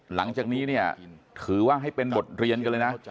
หลังจากนี้เนี่ยถือว่าให้เป็นบทเรียนกันเลยนะ